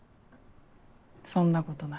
そんなことない。